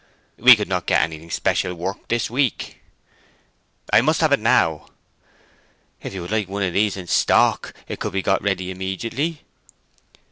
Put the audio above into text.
"We could not get anything special worked this week." "I must have it now." "If you would like one of these in stock it could be got ready immediately."